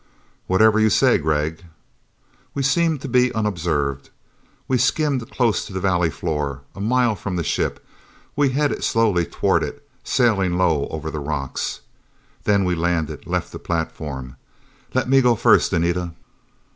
"Whatever you say, Gregg." We seemed to be unobserved. We skimmed close to the valley floor, a mile from the ship. We headed slowly toward it, sailing low over the rocks. Then we landed, left the platform. "Let me go first, Anita."